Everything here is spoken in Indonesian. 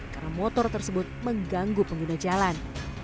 karena motor tersebut mengganggu pengguna jalan